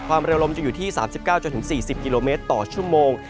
ความเร็วลมจะอยู่ที่๓๙๔๐กิโลเมตรต่อชั่วโมง